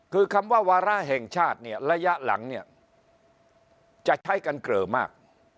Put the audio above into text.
คือคำว่าวาร่าแห่งชาติระยะหลังจะใช้กันเกลอมาก